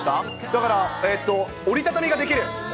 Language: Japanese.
だから折り畳みができる。